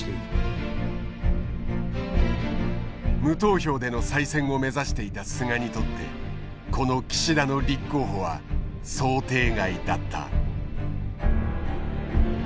無投票での再選を目指していた菅にとってこの岸田の立候補は想定外だった。